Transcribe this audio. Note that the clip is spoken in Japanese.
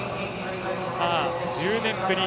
１０年ぶり